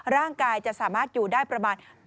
ร่างกายจะสามารถอยู่ได้ประมาณ